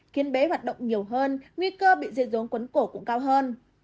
khiến bé hoạt động nhiều hơn nguy cơ bị dây rốn cuốn cổ cũng cao hơn